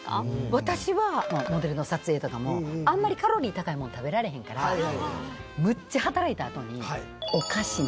私はモデルの撮影とかもあんまりカロリー高いもの食べられへんからむっちゃ働いたあとにお菓子な。